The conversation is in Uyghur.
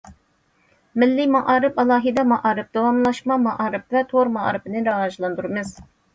مىللىي مائارىپ، ئالاھىدە مائارىپ، داۋاملاشما مائارىپ ۋە تور مائارىپىنى راۋاجلاندۇرىمىز.